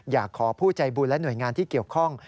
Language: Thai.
อยากขอผู้ใจบุญและหน่วยงานที่เกี่ยวข้อง